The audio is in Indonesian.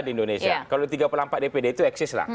di indonesia kalau tiga pelampak dpd itu eksis lah